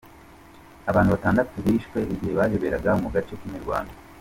Abantu batandatu bishwe igihe bayoberaga mu gace k'imirwano.